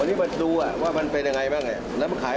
วันนี้มาดูว่ามันเป็นอย่างไรบ้าง